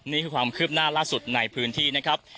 นี่คือความคืบหน้าล่าสุดในพื้นที่นะครับ